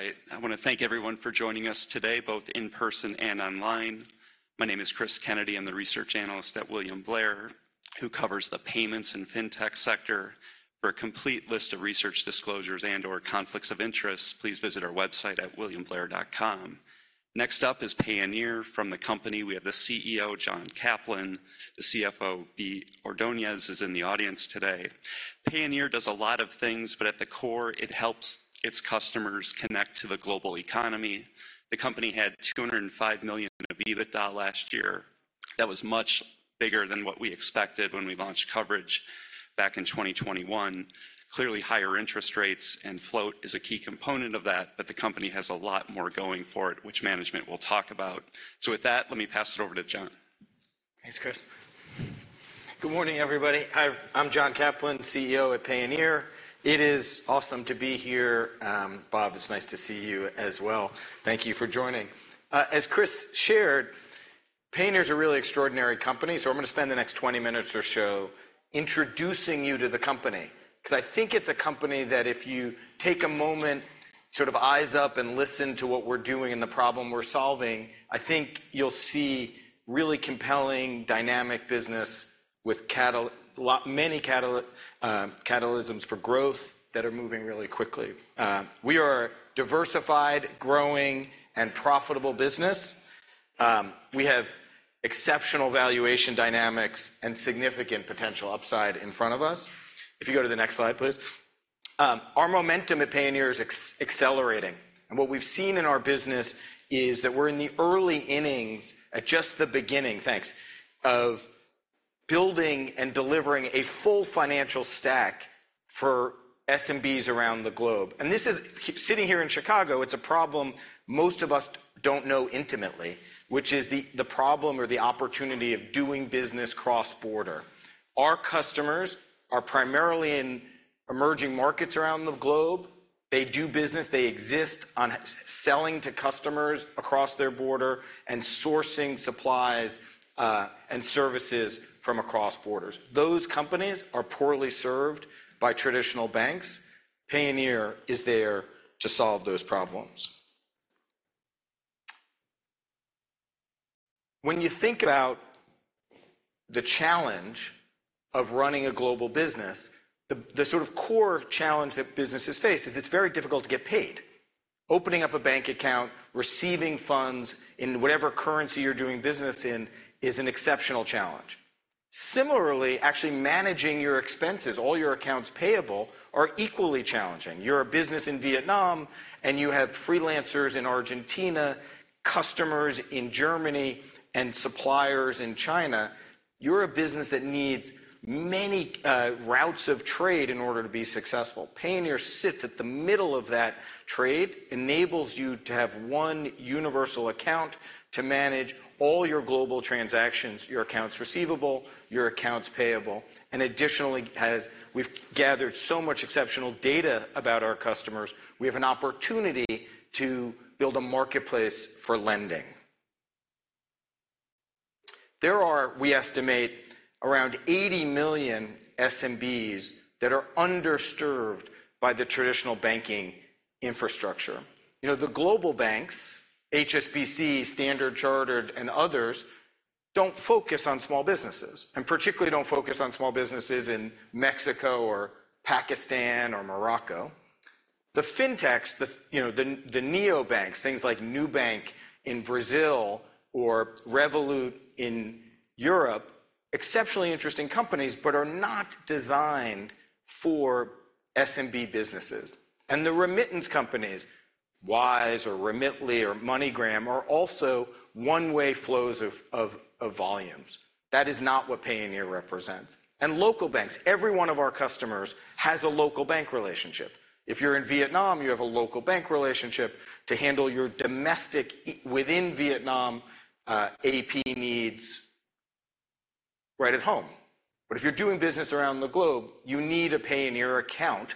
All right. I want to thank everyone for joining us today, both in person and online. My name is Chris Kennedy. I'm the research analyst at William Blair, who covers the payments and fintech sector. For a complete list of research disclosures and/or conflicts of interest, please visit our website at williamblair.com. Next up is Payoneer. From the company, we have the CEO, John Caplan. The CFO, Bea Ordonez, is in the audience today. Payoneer does a lot of things, but at the core, it helps its customers connect to the global economy. The company had $205 million in EBITDA last year. That was much bigger than what we expected when we launched coverage back in 2021. Clearly, higher interest rates and float is a key component of that, but the company has a lot more going for it, which management will talk about. With that, let me pass it over to John. Thanks, Chris. Good morning, everybody. Hi, I'm John Caplan, CEO at Payoneer. It is awesome to be here. Bob, it's nice to see you as well. Thank you for joining. As Chris shared, Payoneer is a really extraordinary company, so I'm going to spend the next 20 minutes or so introducing you to the company, because I think it's a company that if you take a moment, sort of eyes up and listen to what we're doing and the problem we're solving, I think you'll see really compelling, dynamic business with catalysts for growth that are moving really quickly. We are a diversified, growing, and profitable business. We have exceptional valuation dynamics and significant potential upside in front of us. If you go to the next slide, please. Our momentum at Payoneer is accelerating, and what we've seen in our business is that we're in the early innings, at just the beginning of building and delivering a full financial stack for SMBs around the globe. And this is, sitting here in Chicago, it's a problem most of us don't know intimately, which is the problem or the opportunity of doing business cross-border. Our customers are primarily in emerging markets around the globe. They do business, they exist on selling to customers across their border and sourcing supplies and services from across borders. Those companies are poorly served by traditional banks. Payoneer is there to solve those problems. When you think about the challenge of running a global business, the sort of core challenge that businesses face is it's very difficult to get paid. Opening up a bank account, receiving funds in whatever currency you're doing business in is an exceptional challenge. Similarly, actually managing your expenses, all your accounts payable, are equally challenging. You're a business in Vietnam, and you have freelancers in Argentina, customers in Germany, and suppliers in China. You're a business that needs many routes of trade in order to be successful. Payoneer sits at the middle of that trade, enables you to have one universal account to manage all your global transactions, your accounts receivable, your accounts payable. And additionally, as we've gathered so much exceptional data about our customers, we have an opportunity to build a marketplace for lending. There are, we estimate, around 80 million SMBs that are underserved by the traditional banking infrastructure. You know, the global banks, HSBC, Standard Chartered, and others, don't focus on small businesses, and particularly don't focus on small businesses in Mexico or Pakistan or Morocco. The fintechs, you know, the neobanks, things like Nubank in Brazil or Revolut in Europe, exceptionally interesting companies, but are not designed for SMB businesses. The remittance companies, Wise or Remitly or MoneyGram, are also one-way flows of volumes. That is not what Payoneer represents. Local banks, every one of our customers has a local bank relationship. If you're in Vietnam, you have a local bank relationship to handle your domestic within Vietnam AP needs right at home. But if you're doing business around the globe, you need a Payoneer account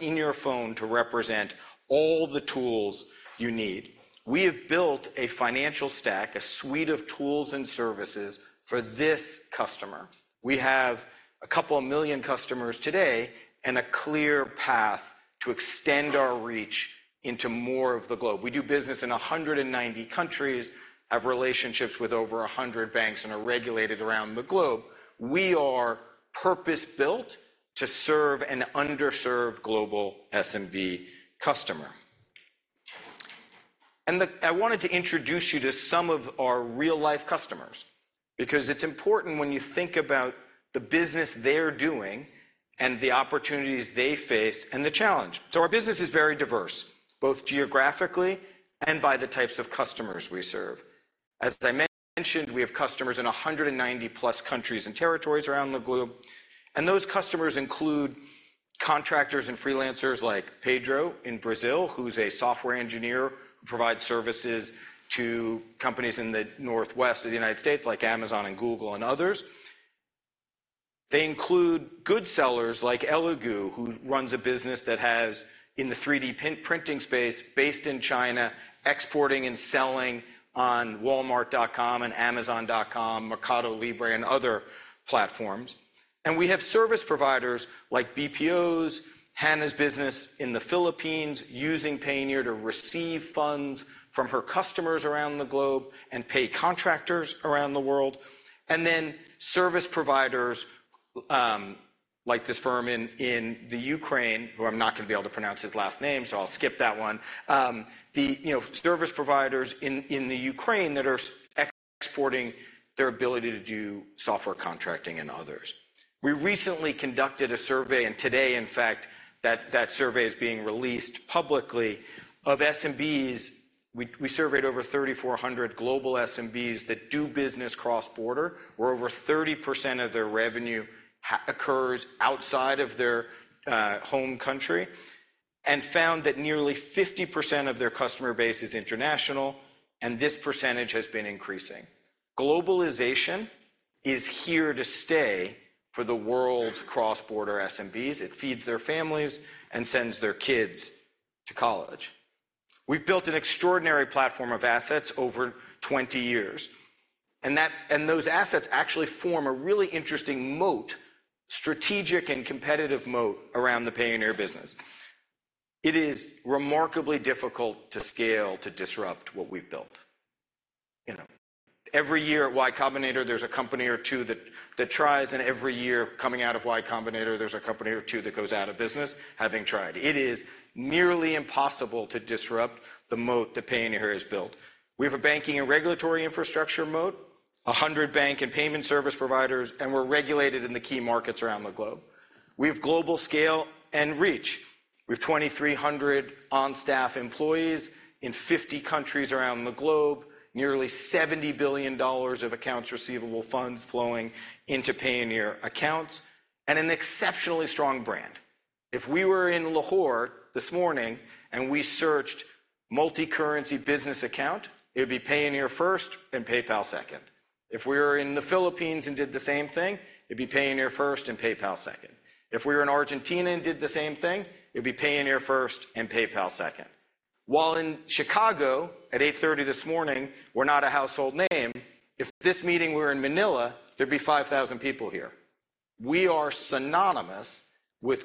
in your phone to represent all the tools you need. We have built a financial stack, a suite of tools and services for this customer. We have a couple of million customers today and a clear path to extend our reach into more of the globe. We do business in 190 countries, have relationships with over 100 banks, and are regulated around the globe. We are purpose-built to serve an underserved global SMB customer. I wanted to introduce you to some of our real-life customers, because it's important when you think about the business they're doing and the opportunities they face and the challenge. So our business is very diverse, both geographically and by the types of customers we serve. As I mentioned, we have customers in 190+ countries and territories around the globe, and those customers include contractors and freelancers like Pedro in Brazil, who's a software engineer, provides services to companies in the Northwest of the United States, like Amazon and Google and others. They include good sellers like ELEGOO, who runs a business that has, in the 3D printing space, based in China, exporting and selling on Walmart.com and Amazon.com, MercadoLibre, and other platforms.... And we have service providers like BPOs, Hana's business in the Philippines, using Payoneer to receive funds from her customers around the globe and pay contractors around the world. And then service providers, like this firm in the Ukraine, who I'm not going to be able to pronounce his last name, so I'll skip that one. You know, service providers in the Ukraine that are exporting their ability to do software contracting and others. We recently conducted a survey, and today, in fact, that survey is being released publicly, of SMBs. We surveyed over 3,400 global SMBs that do business cross-border, where over 30% of their revenue occurs outside of their home country, and found that nearly 50% of their customer base is international, and this percentage has been increasing. Globalization is here to stay for the world's cross-border SMBs. It feeds their families and sends their kids to college. We've built an extraordinary platform of assets over 20 years, and those assets actually form a really interesting moat, strategic and competitive moat, around the Payoneer business. It is remarkably difficult to scale, to disrupt what we've built. You know, every year at Y Combinator, there's a company or two that, that tries, and every year coming out of Y Combinator, there's a company or two that goes out of business, having tried. It is nearly impossible to disrupt the moat that Payoneer has built. We have a banking and regulatory infrastructure moat, 100 bank and payment service providers, and we're regulated in the key markets around the globe. We have global scale and reach. We have 2,300 on-staff employees in 50 countries around the globe, nearly $70 billion of accounts receivable funds flowing into Payoneer accounts, and an exceptionally strong brand. If we were in Lahore this morning, and we searched multi-currency business account, it would be Payoneer first and PayPal second. If we were in the Philippines and did the same thing, it'd be Payoneer first and PayPal second. If we were in Argentina and did the same thing, it'd be Payoneer first and PayPal second. While in Chicago at 8:30 A.M. this morning, we're not a household name. If this meeting were in Manila, there'd be 5,000 people here. We are synonymous with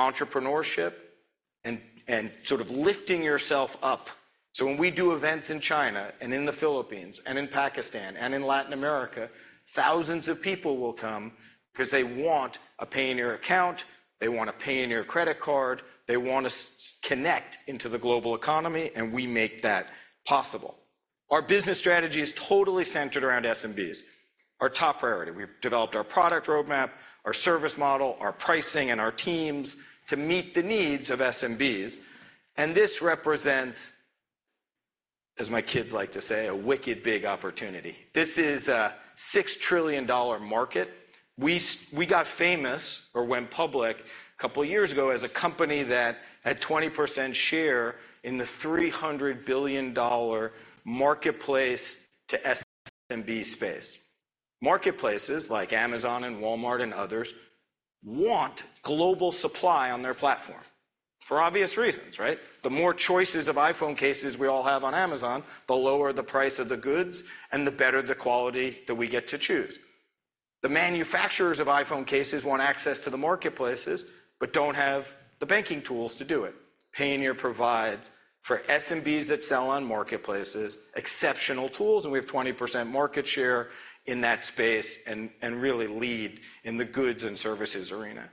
entrepreneurship and sort of lifting yourself up. So when we do events in China, and in the Philippines, and in Pakistan, and in Latin America, thousands of people will come because they want a Payoneer account, they want a Payoneer credit card, they want to connect into the global economy, and we make that possible. Our business strategy is totally centered around SMBs, our top priority. We've developed our product roadmap, our service model, our pricing, and our teams to meet the needs of SMBs. And this represents, as my kids like to say, a wicked big opportunity. This is a $6 trillion market. We got famous or went public a couple of years ago as a company that had 20% share in the $300 billion marketplace to SMB space. Marketplaces like Amazon, and Walmart, and others want global supply on their platform, for obvious reasons, right? The more choices of iPhone cases we all have on Amazon, the lower the price of the goods and the better the quality that we get to choose. The manufacturers of iPhone cases want access to the marketplaces but don't have the banking tools to do it. Payoneer provides, for SMBs that sell on marketplaces, exceptional tools, and we have 20% market share in that space and really lead in the goods and services arena.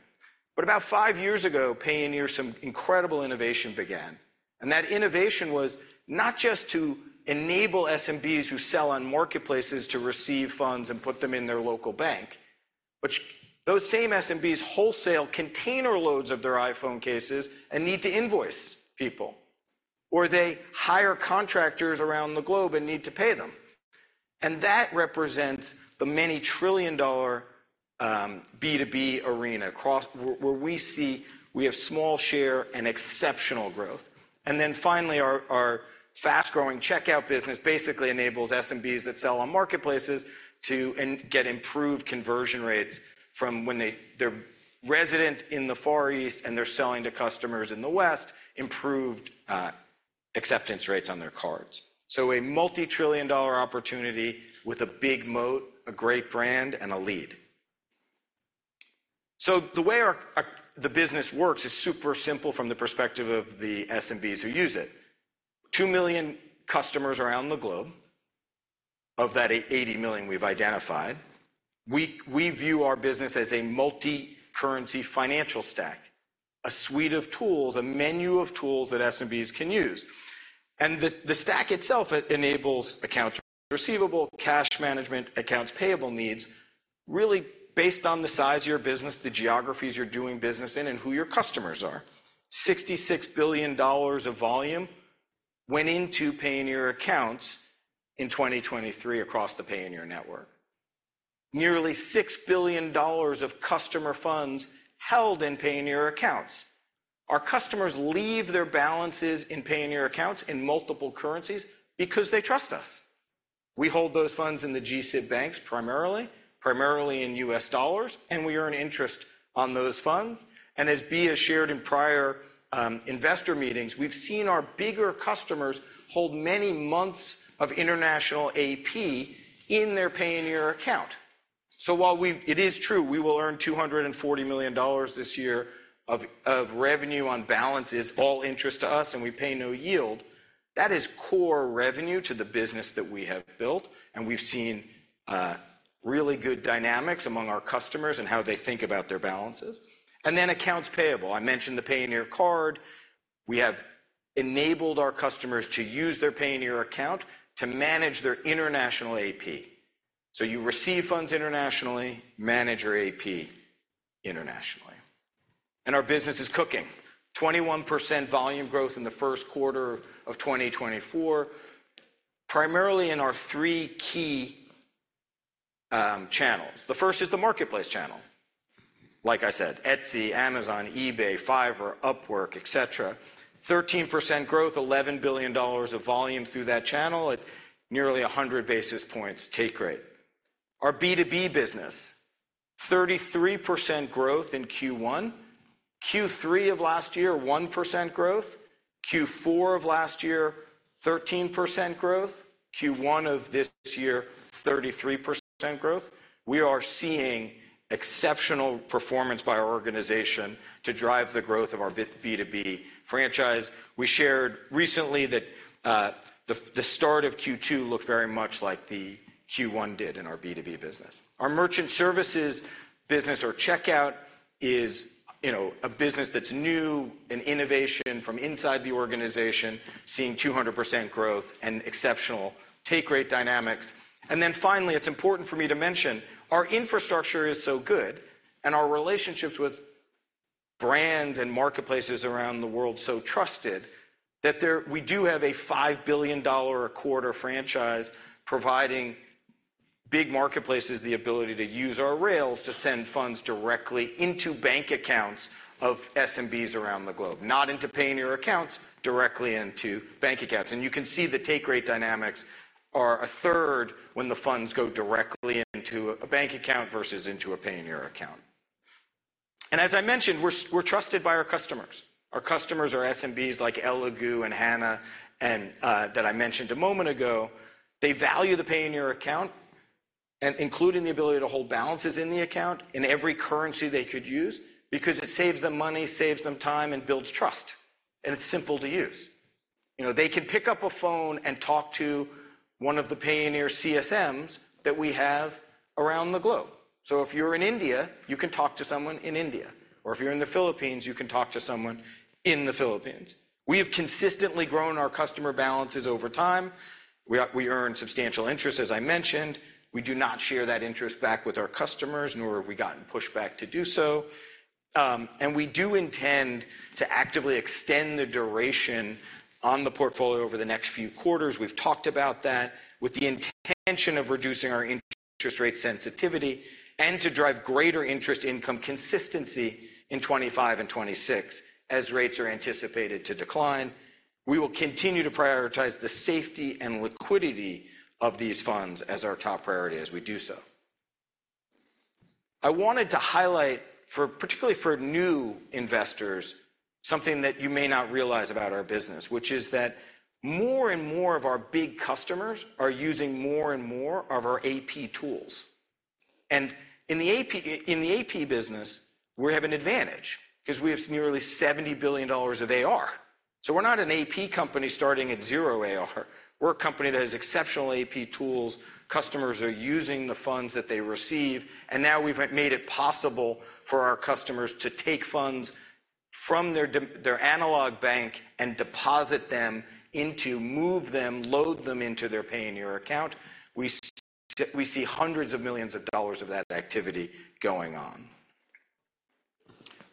But about five years ago, Payoneer, some incredible innovation began, and that innovation was not just to enable SMBs who sell on marketplaces to receive funds and put them in their local bank, but those same SMBs wholesale container loads of their iPhone cases and need to invoice people, or they hire contractors around the globe and need to pay them. And that represents the many-trillion-dollar B2B arena across where we see we have small share and exceptional growth. And then finally, our fast-growing checkout business basically enables SMBs that sell on marketplaces to get improved conversion rates from when they're resident in the Far East, and they're selling to customers in the West, improved acceptance rates on their cards. So a multi-trillion-dollar opportunity with a big moat, a great brand, and a lead. So the way our business works is super simple from the perspective of the SMBs who use it. 2 million customers around the globe, of that 80 million we've identified. We view our business as a multi-currency financial stack, a suite of tools, a menu of tools that SMBs can use. And the stack itself, it enables accounts receivable, cash management, accounts payable needs, really based on the size of your business, the geographies you're doing business in, and who your customers are. $66 billion of volume went into Payoneer accounts in 2023 across the Payoneer network. Nearly $6 billion of customer funds held in Payoneer accounts. Our customers leave their balances in Payoneer accounts in multiple currencies because they trust us. We hold those funds in the G-SIB banks, primarily in U.S. dollars, and we earn interest on those funds. As Bea has shared in prior investor meetings, we've seen our bigger customers hold many months of international AP in their Payoneer account. So while we, it is true, we will earn $240 million this year of revenue on balances, all interest to us, and we pay no yield, that is core revenue to the business that we have built, and we've seen really good dynamics among our customers and how they think about their balances. And then accounts payable. I mentioned the Payoneer card. We have enabled our customers to use their Payoneer account to manage their international AP. So you receive funds internationally, manage your AP internationally. And our business is cooking. 21% volume growth in the Q1 of 2024, primarily in our three key channels. The first is the marketplace channel. Like I said, Etsy, Amazon, eBay, Fiverr, Upwork, et cetera. 13% growth, $11 billion of volume through that channel at nearly 100 basis points take rate. Our B2B business, 33% growth in Q1. Q3 of last year, 1% growth. Q4 of last year, 13% growth. Q1 of this year, 33% growth. We are seeing exceptional performance by our organization to drive the growth of our B, B2B franchise. We shared recently that, the, the start of Q2 looked very much like the Q1 did in our B2B business. Our merchant services business or checkout is, you know, a business that's new, an innovation from inside the organization, seeing 200% growth and exceptional take rate dynamics. And then finally, it's important for me to mention, our infrastructure is so good, and our relationships with brands and marketplaces around the world so trusted, that we do have a $5 billion a quarter franchise providing big marketplaces the ability to use our rails to send funds directly into bank accounts of SMBs around the globe, not into Payoneer accounts, directly into bank accounts. And you can see the take rate dynamics are a third when the funds go directly into a bank account versus into a Payoneer account. And as I mentioned, we're trusted by our customers. Our customers are SMBs like ELEGOO and Hana, and that I mentioned a moment ago. They value the Payoneer account, and including the ability to hold balances in the account in every currency they could use, because it saves them money, saves them time, and builds trust, and it's simple to use. You know, they can pick up a phone and talk to one of the Payoneer CSMs that we have around the globe. So if you're in India, you can talk to someone in India, or if you're in the Philippines, you can talk to someone in the Philippines. We have consistently grown our customer balances over time. We earn substantial interest, as I mentioned. We do not share that interest back with our customers, nor have we gotten pushback to do so. And we do intend to actively extend the duration on the portfolio over the next few quarters. We've talked about that, with the intention of reducing our interest rate sensitivity and to drive greater interest income consistency in 2025 and 2026, as rates are anticipated to decline. We will continue to prioritize the safety and liquidity of these funds as our top priority as we do so. I wanted to highlight for, particularly for new investors, something that you may not realize about our business, which is that more and more of our big customers are using more and more of our AP tools. And in the AP, in the AP business, we have an advantage because we have nearly $70 billion of AR. So we're not an AP company starting at zero AR. We're a company that has exceptional AP tools. Customers are using the funds that they receive, and now we've made it possible for our customers to take funds from their analog bank and deposit them into, move them, load them into their Payoneer account. We see hundreds of millions of dollars of that activity going on.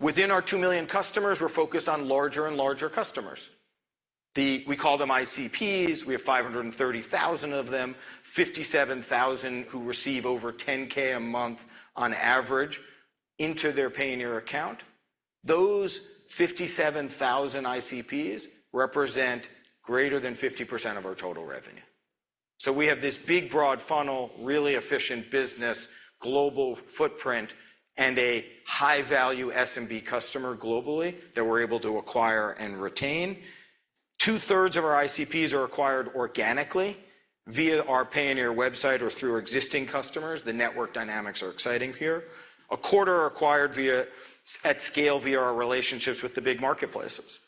Within our 2 million customers, we're focused on larger and larger customers. We call them ICPs. We have 530,000 of them, 57,000 who receive over $10K a month on average into their Payoneer account. Those 57,000 ICPs represent greater than 50% of our total revenue. So we have this big, broad funnel, really efficient business, global footprint, and a high-value SMB customer globally that we're able to acquire and retain. Two-thirds of our ICPs are acquired organically via our Payoneer website or through existing customers. The network dynamics are exciting here. A quarter are acquired via, at scale, via our relationships with the big marketplaces,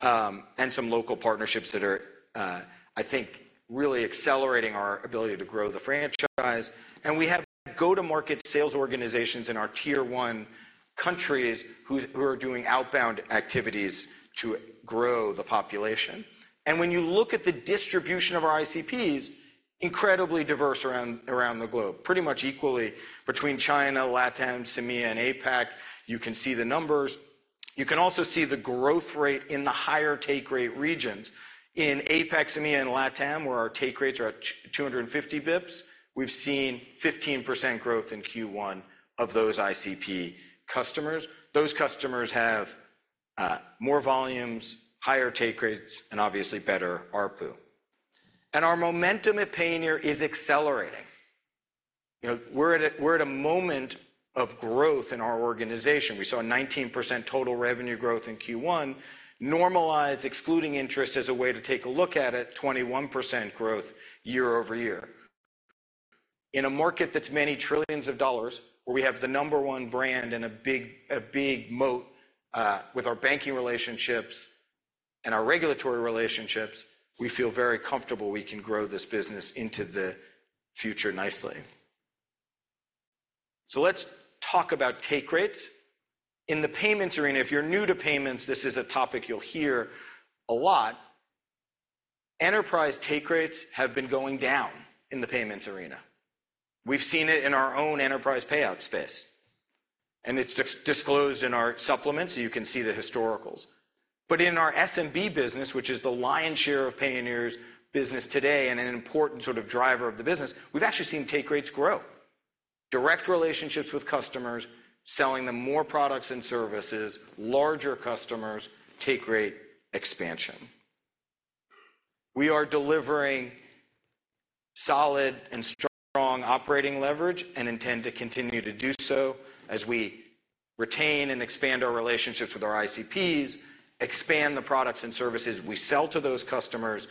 and some local partnerships that are, I think, really accelerating our ability to grow the franchise. And we have go-to-market sales organizations in our tier one countries, who are doing outbound activities to grow the population. And when you look at the distribution of our ICPs, incredibly diverse around, around the globe, pretty much equally between China, Latam, MEA, and APAC. You can see the numbers. You can also see the growth rate in the higher take rate regions. In APAC, MEA, and Latam, where our take rates are at 250 bips, we've seen 15% growth in Q1 of those ICP customers. Those customers have more volumes, higher take rates, and obviously better ARPU. And our momentum at Payoneer is accelerating. You know, we're at a moment of growth in our organization. We saw a 19% total revenue growth in Q1, normalized, excluding interest as a way to take a look at it, 21% growth year-over-year. In a market that's many trillions of dollars, where we have the number one brand and a big moat, with our banking relationships and our regulatory relationships, we feel very comfortable we can grow this business into the future nicely. So let's talk about take rates. In the payments arena, if you're new to payments, this is a topic you'll hear a lot. Enterprise take rates have been going down in the payments arena. We've seen it in our own enterprise payout space, and it's disclosed in our supplements, so you can see the historicals. But in our SMB business, which is the lion's share of Payoneer's business today and an important sort of driver of the business, we've actually seen take rates grow. Direct relationships with customers, selling them more products and services, larger customers, take rate expansion. We are delivering solid and strong operating leverage and intend to continue to do so as we retain and expand our relationships with our ICPs, expand the products and services we sell to those customers,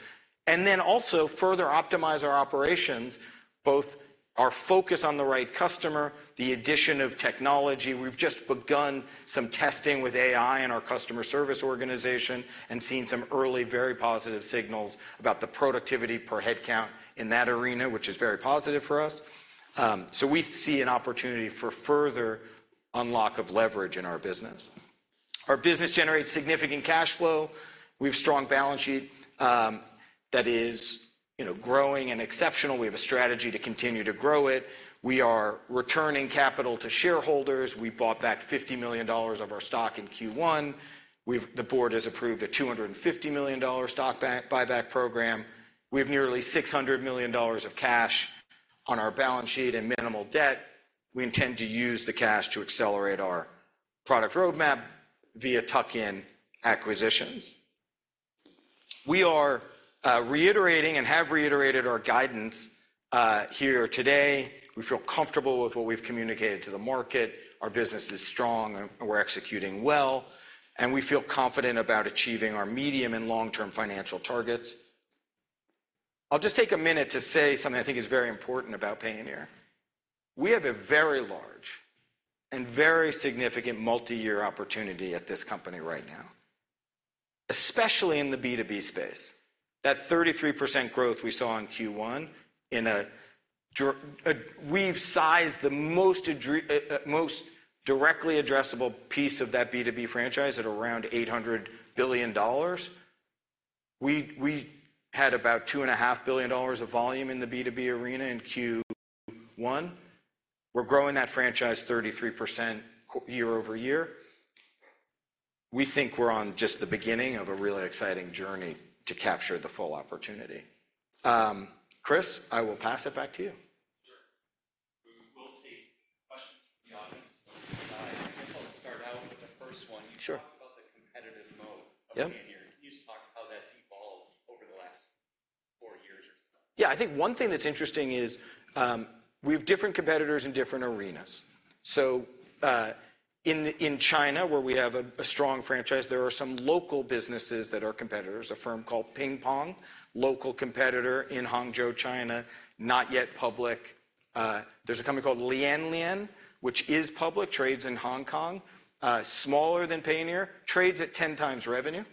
and then also further optimize our operations, both our focus on the right customer, the addition of technology. We've just begun some testing with AI in our customer service organization and seen some early, very positive signals about the productivity per head count in that arena, which is very positive for us. So we see an opportunity for further unlock of leverage in our business. Our business generates significant cash flow. We have a strong balance sheet, that is, you know, growing and exceptional. We have a strategy to continue to grow it. We are returning capital to shareholders. We bought back $50 million of our stock in Q1. The board has approved a $250 million stock buyback program. We have nearly $600 million of cash on our balance sheet and minimal debt. We intend to use the cash to accelerate our product roadmap via tuck-in acquisitions. We are reiterating and have reiterated our guidance here today. We feel comfortable with what we've communicated to the market. Our business is strong, and we're executing well, and we feel confident about achieving our medium- and long-term financial targets. I'll just take a minute to say something I think is very important about Payoneer. We have a very large and very significant multiyear opportunity at this company right now, especially in the B2B space. That 33% growth we saw in Q1. We've sized the most directly addressable piece of that B2B franchise at around $800 billion. We had about $2.5 billion of volume in the B2B arena in Q1. We're growing that franchise 33% year over year. We think we're on just the beginning of a really exciting journey to capture the full opportunity. Chris, I will pass it back to you. Sure. We will take questions from the audience. I guess I'll start out with the first one. Sure. You talked about the competitive mode- Yep of Payoneer. Can you just talk how that's evolved over the last four years or so? Yeah, I think one thing that's interesting is, we have different competitors in different arenas. So, in China, where we have a strong franchise, there are some local businesses that are competitors. A firm called PingPong, local competitor in Hangzhou, China, not yet public. There's a company called LianLian, which is public, trades in Hong Kong, smaller than Payoneer, trades at 10x revenue.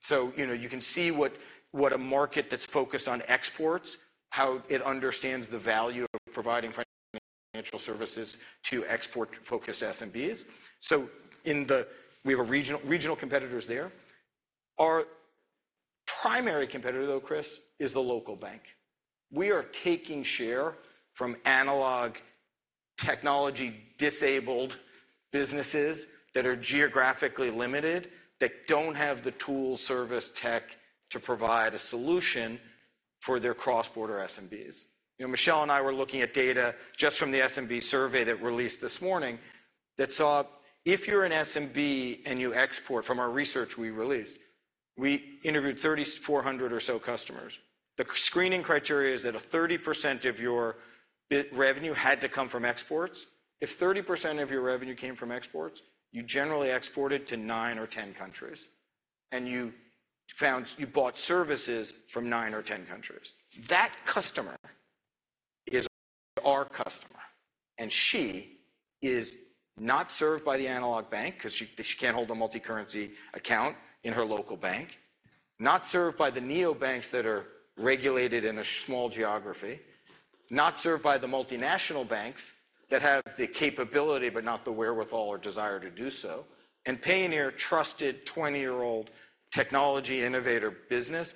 So, you know, you can see what a market that's focused on exports, how it understands the value of providing financial services to export-focused SMBs. We have regional competitors there. Our primary competitor, though, Chris, is the local bank. We are taking share from analog technology-disabled businesses that are geographically limited, that don't have the tools, service, tech to provide a solution for their cross-border SMBs. You know, Michelle and I were looking at data just from the SMB survey that released this morning that saw if you're an SMB and you export, from our research we released, we interviewed 3,400 or so customers. The screening criteria is that 30% of your revenue had to come from exports. If 30% of your revenue came from exports, you generally exported to nine or 10 countries, and you bought services from nine or 10 countries. That customer is our customer, and she is not served by the analog bank 'cause she, she can't hold a multicurrency account in her local bank. Not served by the neobanks that are regulated in a small geography, not served by the multinational banks that have the capability, but not the wherewithal or desire to do so. Payoneer, a trusted 20-year-old technology innovator business,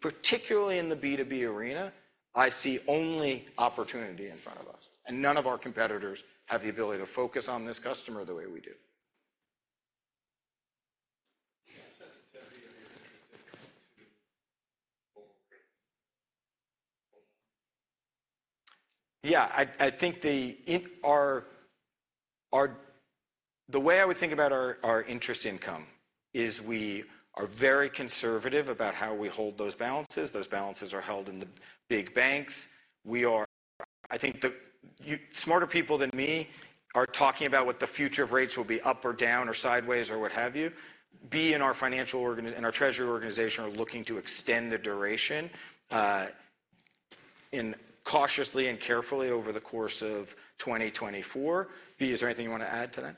particularly in the B2B arena. I see only opportunity in front of us, and none of our competitors have the ability to focus on this customer the way we do. Yeah, sensitivity and interest to... Yeah, I think the way I would think about our interest income is we are very conservative about how we hold those balances. Those balances are held in the big banks. I think the smarter people than me are talking about what the future of rates will be, up or down or sideways or what have you. Bea, in our treasury organization are looking to extend the duration cautiously and carefully over the course of 2024. Bea, is there anything you want to add to that?